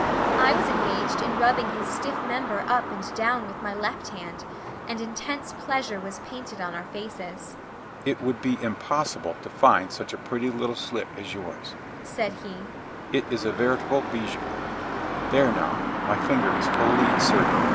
I was engaged in rubbing his stiff member up and down with my left hand, and intense pleasure was painted on our faces. "It would be impossible to find such a pretty little slit as yours," said he; "it is a veritable bijou there now, my finger is wholly inserted."